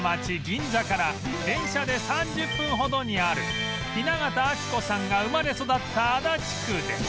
銀座から電車で３０分ほどにある雛形あきこさんが生まれ育った足立区で